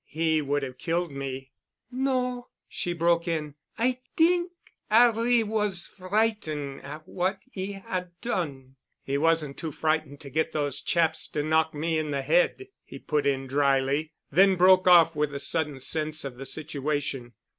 He would have killed me——" "No," she broke in. "I t'ink 'Arry was frighten' at what he 'ad done——" "He wasn't too frightened to get those chaps to knock me in the head," he put in dryly, then broke off with a sudden sense of the situation.